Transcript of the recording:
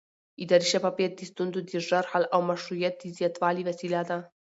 اداري شفافیت د ستونزو د ژر حل او مشروعیت د زیاتوالي وسیله ده